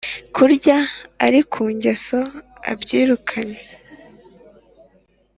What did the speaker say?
kurya ari ku ngeso abyirukanye